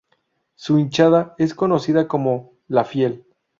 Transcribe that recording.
Su hinchada es conocida como "La Fiel".